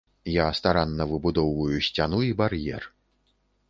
Я старанна выбудоўваю сцяну і бар'ер.